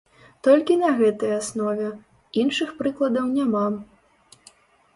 Толькі на гэтай аснове, іншых прыкладаў няма.